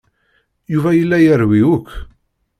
Yuba yella yerwi akk.